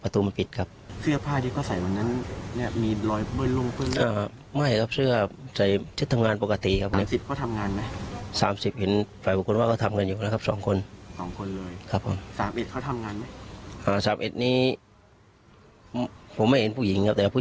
ก็ต้องรอความคืบหน้าจากทางตำรวจนะคะเพราะว่าตอนนี้ในก้าวแฟนหนุ่มของผู้เสียชีวิตยังหายตัวไปอยู่